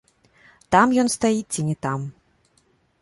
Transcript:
Там ён стаіць ці не там.